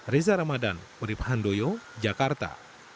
reza ramadan murid pahandoyo jakarta